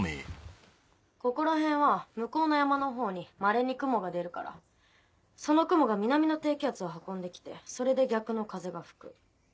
ここら辺は向こうの山のほうにまれに雲が出るからその雲が南の低気圧を運んで来てそれで逆の風が吹く。